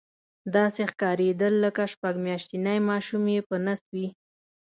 داسې ښکارېدل لکه شپږ میاشتنی ماشوم یې په نس وي.